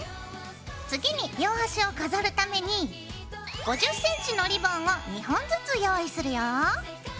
次に両端を飾るために５０ｃｍのリボンを２本ずつ用意するよ。